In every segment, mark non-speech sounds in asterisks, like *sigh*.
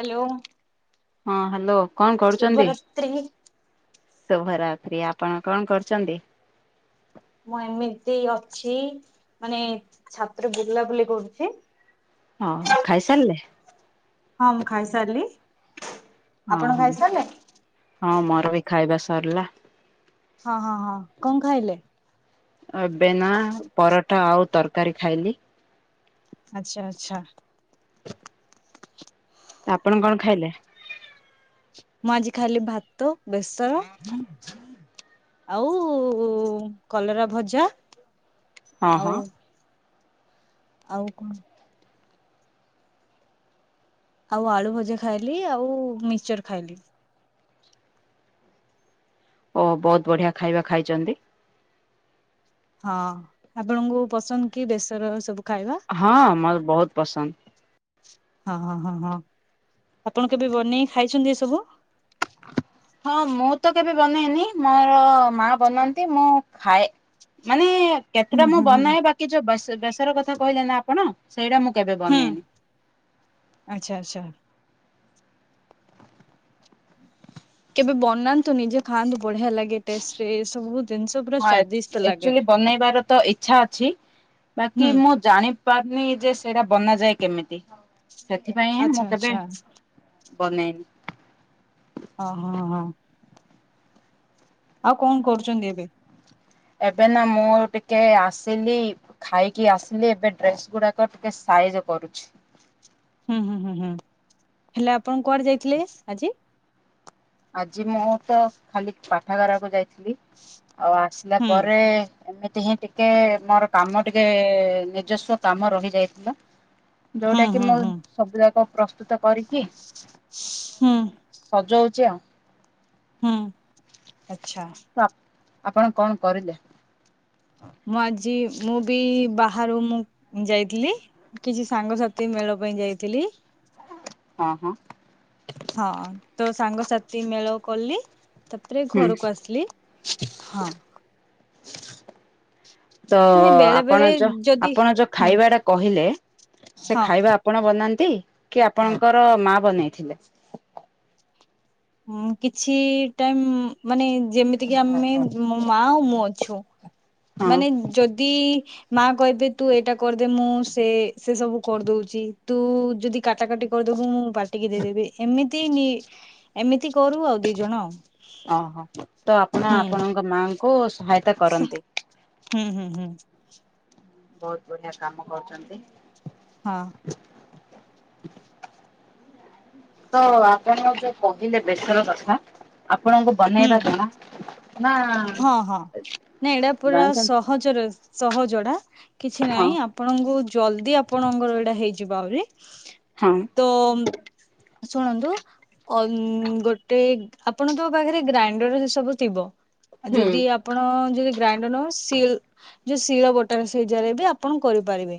Hello. ହଁ hello. ଶୁଭ ରାତ୍ରି। ଶୁଭରାତ୍ରି ଆପଣ କଣ କରୁଚନ୍ତି? ମୁଁ ଏମିତି ଅଛି ମାନେ ଛାତରେ ବୁଲା ବୁଲି କରୁଚି। ହଁ ହଁ ଖାଇସାରଲେ? ହଁ ମୁଁ ଖାଇସାରଲି। ଅ ହମ୍ ହଁ ମୋର ବି ଖାଇବା ସରଲା। ହଁ ହଁ ହଁ କଣ ଖାଇଲେ? ଏବେ ନାଁ ପରଟା ଆଉ ତରକାରି ଖାଇଲି। ଆଛା ଆଛା। ତ ଆପଣ କଣ ଖାଇଲେ? ମୁଁ ଆଜି ଖାଲି ଭାତ, ବେସର ହୁଁ ଆଉ କଲରା ଭଜା ହଁ ହଁ ଆଉ ଆଉ କଣ ଆଉ ଆଳୁଭଜା ଖାଇଲି ଆଉ ମିକ୍ସଚର ଖାଇଲି। ଓ ବୋହୁତ ବଢିଆ ଖାଇବା ଖାଇଚନ୍ତି। ହଁ ଆପଣଙ୍କୁ ପସନ୍ଦ କି ବେସର ସବୁ ଖାଇବା। ହଁ ମୋର ବୋହୁତ ପସନ୍ଦ। ହଁ ହଁ ହଁ ହଁ ଆପଣ କେବେ ବନେଇ ଖାଇଚନ୍ତି ଏସବୁ? ହଁ ମୁଁ ତ କେବେ ବନେଇନି ମୋର ମା ବନାନ୍ତି ମୁଁ ଖାଏ। ମାନେ ହୁଁ କେତେଟା ମୁଁ ହୁଁ ହୁଁ ବନାଏ ବାକି ଯୋଉ ବସ ବେସର କଥା କହିଲେ ନା ଆପଣ ସେଇଟା ମୁଁ କେବେ ବନେଇନି। ଆଛା ଆଛା। କେବେ ବନାନ୍ତୁ ନିଜେ ଖାଆନ୍ତୁ ବଢିଆ ଲାଗେ ଟେଷ୍ଟରେ ଏସବୁ ଜିନଷ ପୁରା ସ୍ୱାଦିଷ୍ଟ ଲାଗେ। ଖାଇବାର ତ ଇଚ୍ଛା ଅଛି। ହୁଁ ବାକି ମୁଁ ଜାଣି ପାରୁନି ଯେ ସେଡା ବନାଯାଏ କେମିତି। ସେଥିପାଇଁଁ ଆଚ୍ଛା ମୁଁ କେବେ ଆଚ୍ଛା ବନେଇନି। ଓ ହଁ ହଁ। ଆଉ କଣ କରୁଚନ୍ତି ଏବେ? ଏବେ ନା ମୁଁ ଟିକେ ଆସିଲି ଖାଇକି ଆସିଲି ଏବେ ଡ୍ରେସଗୁଡାକ ଟିକେ ସାଇଜି କରୁଛି। ହୁଁ ହୁଁ ହୁଁ ହୁଁ ହେଲେ ଆପଣ କୁଆଡେ ଯାଇଥିଲେ ଆଜି? ଆଜି ମୁଁ ତ ଖାଲି ପାଠାଗାରାକୁ ଯାଇଥିଲି ଆଉ ଆସିଲା ହୁଁ ପରେ ଏମିତି ହିଁ ଟିକେ ମୋର କାମ ଟିକେ ନିଜସ୍ୱ କାମ ରହିଯାଇଥିଲା। ହୁଁ ଯୋଉଟା କି ହୁଁ ମୁଁ ହୁଁ ସବୁଯାକ ପ୍ରସ୍ତୁତ କରିକି ହୁଁ ସଜୋଉଚି ଆଉ। ହୁଁ ଆଚ୍ଛା। ତ ଆ ଆପଣ କଣ କରିଲେ? ମୁଁ ଆଜି ମୁଁ ବି ବାହାରୁ ମୁଁ ଯାଇଥିଲି। କିଛି ସାଙ୍ଗସାଥି ମେଳ ପାଇଁ ଯାଇଥିଲି। ହଁ ହଁ। ହଁ ତୋ ସାଙ୍ଗସାଥି ମେଳ କଲି ତାପରେ ହୁଁ ଘରକୁ ଆସିଲି ହଁ। ତ ମାନେ ବେଳେ ବେଳେ ଆପଣ ଯ ଯଦି ଆପଣ ଯୋଉ ହୁଁ ଖାଇବା ଟା କହିଲେ ସେ ହଁ ଖାଇବା ଆପଣ ବନାନ୍ତି କି ଆପଣଙ୍କର ମା ବନେଇଥିଲେ? କିଛି ଟାଇମ୍ ମାନେ ଯେମିତିକି ଆମେ ମୋ ମା ଆଉ ମୁଁ ଅଛୁ। ହଁ। ମାନେ ଯଦି ମା କହିବେ ତୁ ଏଇଟା କରିଦେ ମୁଁ ସେ ସେ ସବୁ କରି ଦୋଉଛି ତୁ ଯଦି କାଟା କାଟି କହିଦୋବୁ ମୁଁ ପାଟିକି ଦେଇଦେବି ଏମିତି ନି ଏମିତି କରୁ ଆଉ ଦି ଜଣ ଆଉ। ଅହ ତ ଆପଣ ହୁଁ ଆପଣଙ୍କ ମାଆଙ୍କୁ ସହାୟତା ସ କରନ୍ତି? ହୁଁ ହୁଁ ହୁଁ। ବହୁତ ବଢିଆ କାମ କରୁଛନ୍ତି। ହଁ। ତ ଆପଣ ଯୋଉ କହିଲେ ବେସର କଥା ଆପଣଙ୍କୁ ହୁଁ ବନେଇବା କାମ ନା ଜଣିଛନ୍ତି। ହଞ୍ଚରେସ୍ ସହଜଡା କିଛି ହଁ ନାହିଁ। ଆପଣଙ୍କୁ ଜଲଦି ଆପଣଙ୍କର ଏଇଟା ହେଇଯିବ ଆହୁରି। ହଁ। ତ ଶୁଣନ୍ତୁ ଅ ଗୋଟେ ଆପଣ ତ ପାଖରେ ଗ୍ରାଇଣ୍ଡର ସେ ସବୁ ଥିବ ଆଉ ହୁଁ। ଯଦି ଆପଣ ଯଦି ଗ୍ରାଇଣ୍ଡର ନସ ସିଏଲ୍ ଯୋଉ ଶିଳ ବଟା ସେଇ ଜ ବି ଆପଣ କରିପାରିବେ।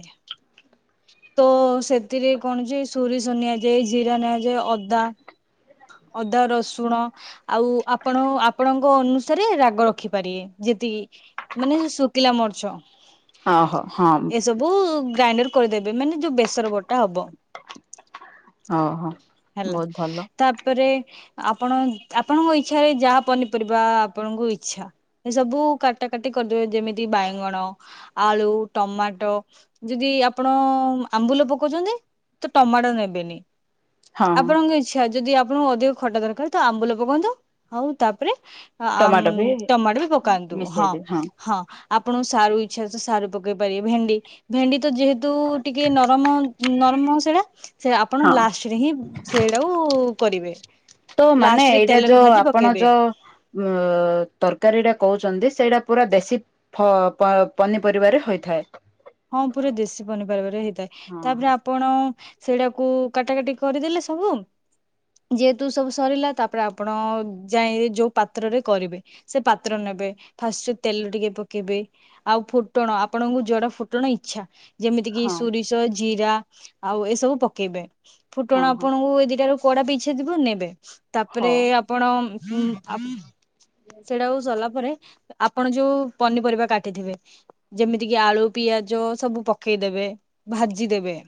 ତ ସେଥିରେ କଣଜି ସୋରିଷ ନିଆଯାଏ ଜିରା ନିଆଯାଏ ଅଦା। ଅଦା ରସୁଣ। ଆଉ ଆପଣ ଆପଣଙ୍କ ଅନୁସାରେ ରାଗ ରଖିପାରିବେ ଯେତିକି ଆ ମାନେ ଶୁଖିଲା ମୋର୍ଛ। ଓହୋ ହଁ। ବୁ ଗ୍ରାଇଣ୍ଡର କରିଦେବେ ମାନେ ଯୋଉ ବେସର ବଟା ହବ। ହୋଉ ହୋଉ। ହେଲା। ତାପରେ ଆପଣ ଆପଣଙ୍କ ଇଚ୍ଛାରେ ଯାହା ପନିପରିବା ଆପଣଙ୍କୁ ଇଚ୍ଛା। ଏ ସବୁ କାଟା କାଟି କରିଦେବେ ଯେମିତି ବାଇଗଣ। ଆଳୁ ଟମାଟୋ ଯଦି ଆପଣ ଆମ୍ବୁଲ ପକଉଛନ୍ତି। ତ ଟମାଟୋ ନେବେନି। ହଁ। ଆପଣଙ୍କ ଇଚ୍ଛା ଯଦି ଆପଣଙ୍କୁ ଅଧିକ ଖଟା ଦରକାର ତ ଆମ୍ବୁଲ ପକାନ୍ତୁ ଆଉ ତାପରେ ଆ ଟମାଟୋ ବି ଟମାଟୋ ବି ପକାନ୍ତୁ ହଁ ହଁ। ଆପଣଙ୍କୁ ସାର ଇଚ୍ଛା ତ ସାରୁ ପକେଇ ପାରିବେ ଭେଣ୍ଡି ଭେଣ୍ଡି ତ ଯେହେତୁ ଟିକେ ନରମ ନରମ ସେଇଟା ସେ ଆପଣ ହଁ। ଲାଷ୍ଟରେ ହିଁ ସେଗୁଡାକୁ କରିବେ। ତ ମାନେ ଲାଷ୍ଟରେ ଏଇଟା ତେଲରେ ଯୋ ଭାଜି ଆପଣ ପକେଇବେ ଯୋ ଉଁ ତରକାରୀଟା କହୁଛନ୍ତି ସେଇଟା ପୁରା ଦେଶୀ ଫ ପନିପରିବାରେ ହୋଇଥାଏ। ହଁ ପୁରା ଦେଶୀ ପନିପରିବରେ ହେଇଥାଏ ହଁ ତାପରେ ଆ ଆପଣ ସେଇଟାକୁ କାଟା କଟି କରିଦେଲେ ସବୁ ଯେହେତୁ ସବୁ ସରିଲା ତାପରେ ଆପଣ ଯାଇ ଯୋଉ ପାତ୍ରରେ କରିବେ। ସେ ପାତ୍ର ନେବେ ଫାଷ୍ଟ ତେଲ ଟିକେ ପକେଇବେ ଆଉ ଫୁଟଣ ଆପଣଙ୍କୁ ଯୋଡ଼ା ଫୁ ତେଣୁ ଇଚ୍ଛା ଯେମିତି କିି ହଁ ସୁରିଷ ଜିରା ଆଉ ଏସବୁ ପକେଇବେ। ହଁ ଫୁଟଣ ହଁ ହଁ ଆପଣଙ୍କୁ ଏ ଦିଟ ର କଡା ପିଛା ଦେବେ ନେବେ। ତାପରେ ହଉ। ଆପଣ ଆ ସେଇଟାକୁ ସରିଲା ପରେ ଆପଣ ଯୋଉ ପନିପରିବା କାଟିଥିବେ ଯେମିତି କି ଆଳୁ ପିଆଜ ସବୁ ପକେଇଦେବେ ଭାଜିଦେବେ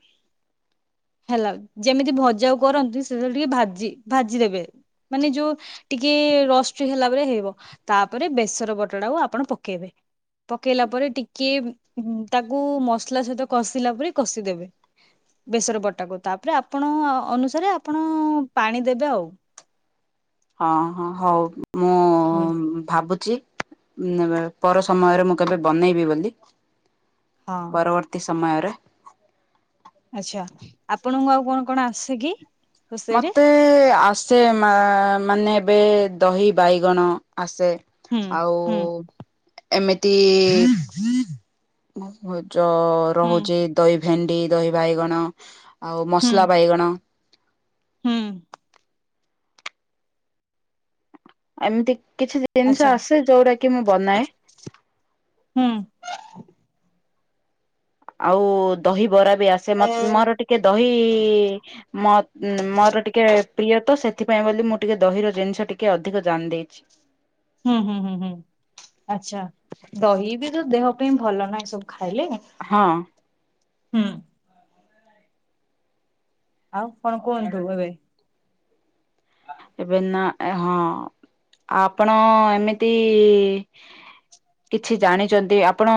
ହେଲା ଯେମିତି ଭଜା କରନ୍ତି ସେଟଳେ ଟିକେ ଭାଜି ଭାଜିଦେବେ। ମାନେ ଯୋଉ ଟିକେ ରଷ୍ଟ ହେଲା ପରେ ହେଇବ। ତାପରେ ବେସର ବଟ ଟାକୁ ଆପଣ ପକେଇବେ ପକେଇଲା ପରେ ଟିକେ ହୁଁ ତାକୁ ମସଲା ସହିତ କଷିଲା ପରେ କଷିଦେବେ। ବେସର ବଟାକୁ ତାପରେ ଆପଣ ଅନୁସାରେ ଆପଣ ପାଣି ଦେବେ ଆଉ। ହଁ ହଁ ହଉ ମୁଁ ହୁଁ ଭାବୁଛି ପର ସମୟରେ ମୁଁ କେବେ ବନେଇବି ବୋଲି ହଁ ପରବର୍ତ୍ତୀ ସମୟରେ। ଆଚ୍ଛା ଆପଣଙ୍କୁ ଆଉ କଣ କଣ ଆସେ କି? ରୋଷେଇରେ ମତେ ଆସେ ମାନେ ଏବେ ଦହି ବାଇଗଣ ଆସେ। ହୁଁ ଆଉ ହୁଁ ଏମିତି ଯ ହୁଁ ରହୁଛି ଦହି ଭେଣ୍ଡି ଦହି ବାଇଗଣ ଆଉ ହୁଁ ମସଲା ବାଇଗଣ। ହୁଁ। ଏମିତି କିଛି ଜିନିଷ ଆଚ୍ଛା ଆସେ ଯୋଉଟା କି ମୁଁ ବନାଏ ହୁଁ। ଆଉ ଦହିିବରା ବି ଆସେ ମୋର ହୁଁ ଟିକେ ଦହି। ମ ମୋର ଟିକେ ପ୍ରିୟ ତ ସେଥିପାଇଁ ବୋଲି ମୁଁ ଟିକେ ଦହିର ଜିନିଷ ଟିକେ ଅଧିକ ଜାଣି ଦେଇଛି। ହୁଁ ହୁଁ ହୁଁ ହୁଁ ଆଚ୍ଛା ଦହି ବି ତ ଦେହ ପାଇଁ ଭଲ ନାହିଁ ସବୁ ଖାଇଲେ। ହଁ। ହୁଁ। ଆଉ କଣ କୁହନ୍ତୁ ଏବେ। ଏବେ ନା ହଁ ଆପଣ ଏମିତି କିଛି ଜାଣିଛନ୍ତି ଆପଣ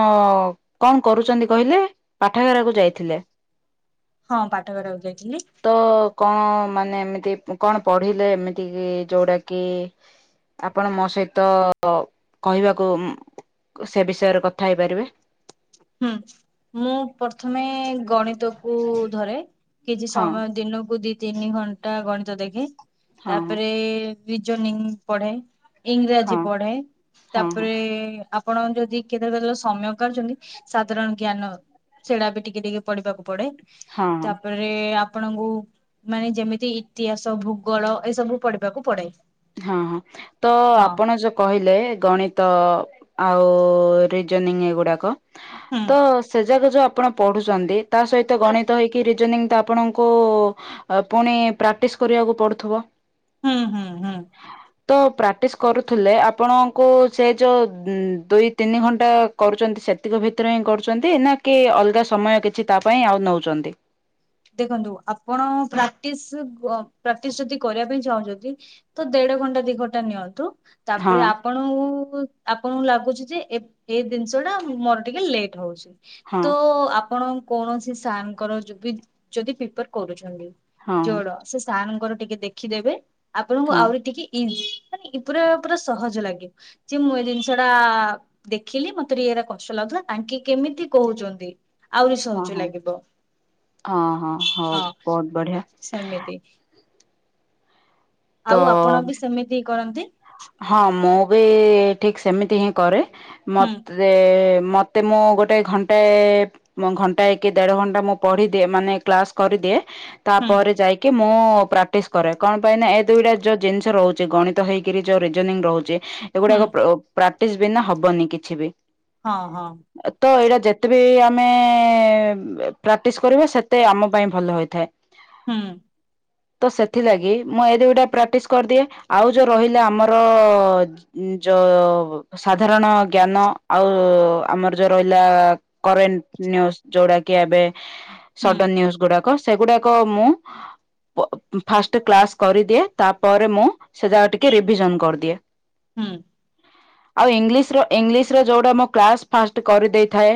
କଣ କରୁଛନ୍ତି କହିଲେ ପାଠାଗାରାକୁ ଯାଇଥିଲେ। ହଁ ପାଠ ପଢାକୁ ଯାଇଥିଲି। ତ କଣ ମାନେ ଏମିତି କଣ ପଢିଲେ ଏମିତି କି ଯୋଉଟା କି? ଆପଣ ମୋ ସହିତ କହିବାକୁ ସେ ବିଷୟରେ କଥା ହେଇପାରିବେ। ହୁଁ ମୁଁ ପ୍ରଥମେ ଗଣିତ କୁ ଧରେ। କିଛି ହଁ ସମୟ ଦିନକୁ ଦି ତିନି ଘଣ୍ଟା ଗଣିତ ଦେଖେ ହଁ ହଁ। ତାପରେ ନ ପଢେ ଇଂରାଜୀ ହଁ ପଢେ ହଁ ହଁ ତାପରେ ଆପଣ ଯଦି କେତେଳେ କେତେବେଳେ ସମୟ କରୁଛନ୍ତି। ସାଧାରଣ ଜ୍ଞାନ ସେଟା ବି ଟିକେ ଟିକେ ପଢିବାକୁ ପଡେ ହଁ ହଁ ତାପରେ ଆପଣଙ୍କୁ ମାନେ ଯେମିତି ଇତିହାସ ଭୂଗୋଳ ଏ ସବୁ ପଢିବାକୁ ପଡେ। ହଁ ହଁ ତ ହଁ ଆପଣ ଯ କହିଲେ ଗଣିତ ଆଉ ରିଜନିଂ ଏଗୁଡାକ। ହୁଁ ତ ସେ ଯାକ ଯୋଉ ଆପଣ ପଢୁଛନ୍ତି ତା ସହିତ ଗଣିତ ହେଇକି ରିଜନିଂ ତ ଆପଣଙ୍କୁ ପୁଣି ପ୍ରାକ୍ଟିସ କରିବାକୁ ପଡୁଥିବ। ହୁଁ ହୁଁ ହୁଁ। ତ ପ୍ରାକ୍ଟିସ କରୁଥିଲେ ଆପଣଙ୍କୁ ସେ ଯୋଉ ଦୁଇ ତିନି ଘଣ୍ଟା କରୁଛନ୍ତି ସେତିକ ଭିତରେ ହିଁ କରୁଛନ୍ତି ନା କି ଅଲଗା ସମୟ କିଛି ତା ପାଇଁ ଆଉ ନେଉଛନ୍ତି। ଦେଖନ୍ତୁ ଆପଣ ପ୍ରାକ୍ଟିସ ପ୍ରାକ୍ଟିସ ଯଦି କରିବା ପାଇଁ ଚାହୁଁଛନ୍ତି। ତ ଦେଢ ଘଣ୍ଟା ଦି ଘଣ୍ଟା ନିଅନ୍ତୁ ତାପରେ ହଁ ଆପଣଙ୍କୁ ଆପଣଙ୍କୁ ଲାଗୁଛି ଯେ ଏ ଏଇ ଜିନିଷ ଟା ମୋର ଟିକେ ଲେଟ୍ ହଉଛି। ହଁ ତ ଆପଣ କୌଣସି ସାର୍ଙ୍କର ବି ଯଦି ପ୍ରିପର କରୁଛନ୍ତି। ହଁ ଯୋଡ ସେ ସାନଙ୍କର ଟିକେ ଦେଖିଦେବେ ଆପଣଙ୍କୁ ହଁ ଆହୁରି ଟିକେ ଇ ମାନେ ପୁରା ପୁରା ସହଜ ଲାଗିବ ଯେ ମୁଁ ଏ ଜିନିଷ ଟା ଦେଖିଲି ମତେ ଇା କଷ୍ଟ ଲାଗୁଥିଲା ତାଙ୍କେ କେମିତି କହୁଛନ୍ତି ଆହୁରି ହଁ ସହଜ ହଁ ଲାଗିବ। ହଁ ହଁ ହଉ ବହୁତ ବଢିଆ। ସେମିତି ତ ଆଉ ଆପଣ ବି ସେମିତି କରନ୍ତି? ହଁ ମୁଁ ବି ଠିକ ସେମିତି ହିଁ କରେ ହୁଁ ମତେ ମତ ତେ ମୁଁ ଗୋଟେ ଘଣ୍ଟେ ମ ଘଣ୍ଟାଏ କି ଦେଢ ଘଣ୍ଟା ମୁଁ ପଢିଦିଏ ମାନେ କ୍ଲାସ୍ କରିଦିଏ ହୁଁ ତାପରେ ଯାଇକି ମୁଁ ପ୍ରାକ୍ଟିସ କରେ କଣ ପାଇଁ ନା ଏ ଦୁଇଟା ଯୋଉ ଜିନିଷ ରହୁଛି ଗଣିତ ହେଇକିରି ଯୋଉ ରିଜନିଂ ରହୁଛି ହୁଁ ଏଗୁଡାକ ପ୍ରୋ ପ୍ରାକ୍ଟିସ ବିନା ହବନି କିଛି ବି। ହଁ ହଁ। ଆ ତ ଏଇଟା ଯେତେ ବି ଆମେ ପ୍ରାକ୍ଟିସ୍ କରିବା ସେତେ ଆମ ପାଇଁ ଭଲ ହୋଇଥାଏ। ହୁଁ। ତ ସେଥିଲାଗି ମୁଁ ଏ ଦୁଇଟା ପ୍ରାକ୍ଟିସ କରିଦିଏ ଆଉ ଯୋଉ ରହିଲେ ଆମର ଯୋ ସାଧାରଣ ଜ୍ଞାନ ଆଉ ଆମର ଯୋଉ ରହିଲା କରେଣ୍ଟ ନିୟୁଜ ଯୋଉଡା କି ଏବେ ହୁଁ ସଡନ ନିଉଜ ଗୁଡାକ ସେଗୁଡାକ ମୁଁ ପ ଫାଷ୍ଟ କ୍ଲାସ କରିଦିଏ ତାପରେ ମୁଁ ସେ ଯାକ ଟିକେ ରିଭିଜନ କରିଦିଏ। ହୁଁ। ଆଉ ଇଂଲିଶର ଇଂଲିଶର ଯୋଉଟା ମୁଁ କ୍ଲାସ ଫାଷ୍ଟ କରିଦେଇଥାଏ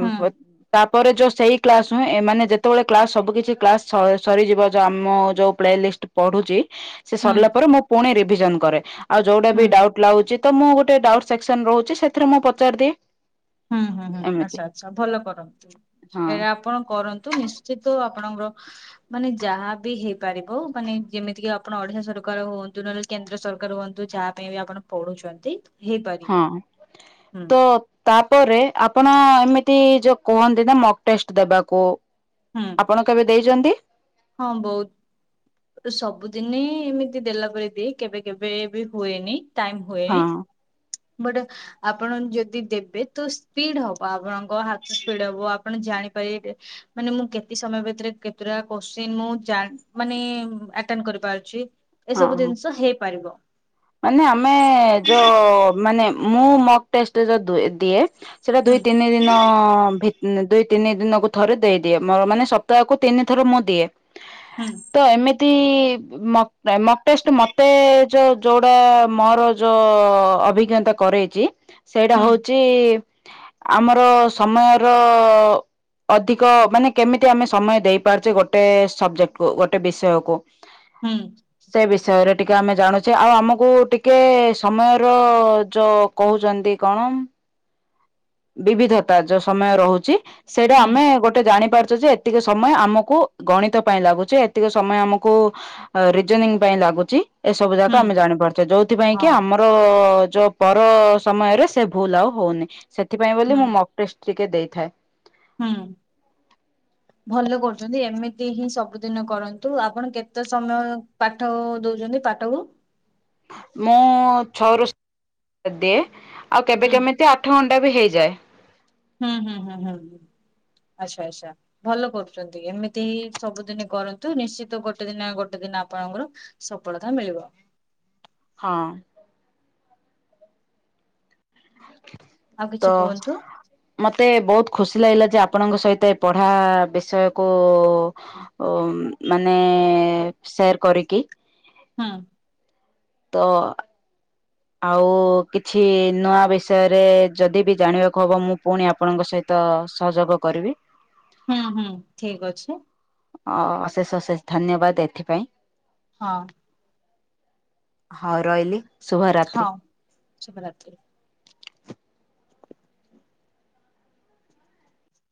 ହୁଁ ତାପ ପରେ ଯୋଉ ସେଇ କ୍ଲାସ୍ ହୁଏଁ ଏମାନେ ଯେତେବେଳେ କ୍ଲାସ୍ ସବୁ କିଛି କ୍ଲାସ୍ ସ ସରିଯିବ ଯୋଉ ଆମ ଯୋଉ ପ୍ଲେଲିଷ୍ଟ ପଢୁଛି ସେ ହୁଁ ହୁଁ ସରିଲା ପରେ ମୁଁ ପୁଣି ରିଭିଜନ କରେ ଆଉ ଯୋଉଟା ବି ହୁଁ ଡାଉଟ ଉଛି ତ ମୁଁ ଗୋଟେ ଡାଉଟ୍ ସେକ୍ସନ ରହୁଛି ସେଥିରେ ମୁଁ ପଚାରି ଦିଏ। ହୁଁ ହୁଁ ହୁଁ ଆଛା ଆଛା ଭଲ କରନ୍ତୁ ହଁ ଏରା ଆପଣ କରନ୍ତୁ ନିଶ୍ ସେ ତୋ ଆପଣଙ୍କର ମାନେ ଯାହା ବି ହେବ୍ ପାରିବୁ ମାନେ ଯେମିତିକି ଆପଣ ଓଡିଶା ସରକାର ହୁଅନ୍ତୁ ନହେଲେ କେନ୍ଦ୍ର ସରକାର ହୁଅନ୍ତୁ ଯାହା ପାଇଁ ବି ଆପଣ ପଢୁଛନ୍ତି। ହେଇପାରିବ ହଁ ହୁଁ ତ ତାପରେ ଆପଣ ଏମିତି ଯୋଉ କୁହନ୍ତି ନା ମକ୍ ଟେଷ୍ଟ ଦେବାକୁ ହୁଁ। ଆପଣ କେବେ ଦେଇଛନ୍ତି? ହଁ ବହୁତ ସବୁଦିନେ ଏମିତି ଦେଲା ପରେ ଦିଏ କେବେ କେବେ ବି ହୁଏନି ଟାଇମ ହଁ ହୁଏନି ବଡ ଆପଣ ଯଦି ଦେବେ ତ ସ୍ପିଡ ହବ ଆପଣଙ୍କ ହାତ ସ୍ପିଡ ହବ ଆପଣ ଜାଣିପାରିବେ କେ ମାନେ ମୁଁ କେତେ ସମୟ ଭିତରେ କେତୁଟା କୋଶ୍ଚିନ ମୁଁ ଜାଣ ମାନେ ଆଟେନ୍ କରିପାରୁଛି। ଏ ହଁ ସବୁ ହଁ ଜିନିଷ ହେଇପାରିବ। ମାନେ ଆମେ ଯୋଉ ମାନେ ମୁଁ ମକ୍ ଟେଷ୍ଟ ଯଦି ଦୁଏ ଦିଏ ସେଇଟା ହୁଁ ଦୁଇ ତିିିନି ଦି ହଁ ଭିତ୍ ଦୁଇ ତିନି ଦିନକୁ ଥରେ ଦେଇ ଦିଏ ମୋର ମାନେ ସପ୍ତାହକୁ ତିନି ଥର ମୁଁ ଦିଏ। ହୁଁ। ତ ଏମିତି ମକ ମକ୍ ଟେଷ୍ଟ ମତେ ଯୋଉ ଯୋଉଟା ମୋର ଯୋଉ ଅଭିଜ୍ଞତା କରେଇଛି ସେଇଟା ହୁଁ ହଉଛି ଆମର ସମୟର ଅଧିକ ମାନେ କେମିତି ଆମେ ସମୟ ଦେଇପାରୁଛେ ଗୋଟେ ସବଜେକ୍ଟକୁ ଗୋଟେ ବିଷୟକୁ। *unintelligible* ହୁଁ। ସେ ବିଷୟରେ ଟିକେ ଆମେ ଜାଣୁ ଛେ ଆଉ ଆମକୁ ଟିକେ ସମୟର ଯୋଉ କହୁଛନ୍ତି କଣ ବିବିଧତା ଯୋଉ ସମୟ ରହୁଛି ସେଇଟା ହୁଁ ଆମେ ଗୋଟେ ଜାଣିପାରୁଚୁ ଯେ ଏତିକ ସମୟ ଆମକୁ ଗଣିତ ପାଇଁ ଲାଗୁଛି ଏତିକ ସମୟ ଆମକୁ ରିଜନିଂ ପାଇଁ ଲାଗୁଛି ଏ ସବୁ ହୁଁ ଯାକ ଆମେ ଜାଣିପାରୁଛେ ହଁ ଯୋଉଥିପାଇଁକି ଆମ ଯୋଉ ପର ସମୟରେ ସେ ଭୁଲ ଆଉ ହଉନି ସେଥିପାଇଁ ବୋଲି ହୁଁ ମୁଁ ପଷ୍ଟିକେ ଦେଇଥାଏ। ହୁଁ। ଭଲ କରୁଛନ୍ତି ଏମିତି ହିଁ ସବୁଦିନ କରନ୍ତୁ ଆପଣ କେତେ ସମୟ ପାଠ ଦଉଛନ୍ତି ପାଠକୁ ମୁଁ ଛଅରୁୁ ଦିଏ ଆଉ କେବେ ହୁଁ କେମିତି ଆଠ ଘଣ୍ଟା ବି ହେଇଯାଏ। ହୁଁ ହୁଁ ହୁଁ ହୁଁ ହ ଆଚ୍ଛା ଆଚ୍ଛା। ଭଲ କରୁଛନ୍ତି ଏମିତି ହିଁ ସବୁଦିନ କରନ୍ତୁ ନିଶ୍ଚିତ ଗୋଟେ ଦିନ ଗୋଟେ ଦିନ ଆପଣଙ୍କର। ସଫଳତା ମିଳିବ। ହଁ। ଆଉ ତ କିଛି କୁହନ୍ତୁ ମତେ ବହୁତ ଖୁସି ଲାଗିଲା ଯେ ଆପଣଙ୍କ ସହିତ ପଢା ବିଷୟ କୁ ଓ ମାନେ ସେୟାର କରିକି। ହୁଁ। ତ ଆଉ କିଛି ନୂଆ ବିଷୟରେ ଯଦି ବି ଜାଣିବାକୁ ହବ ମୁଁ ପୁଣି ଆପଣଙ୍କ ସହିତ ତ ସହଯୋଗ କରିବି। ହୁଁ ହୁଁ ଠିକ ଅଛି। ଅ ଅଶେଷ ଅଶେଷ ଧନ୍ୟବାଦ ଏଥିପାଇଁ। ହଁ। ହଁ ରହିଲି। ଶୁଭରାତ୍ରି। ହଁ ଶୁଭରାତି।